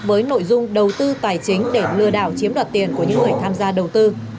với nội dung đầu tư tài chính để lừa đảo chiếm đoạt tiền của những người tham gia đầu tư